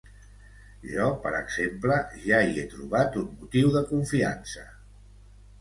Jo, per exemple, ja hi he trobat un motiu de confiança.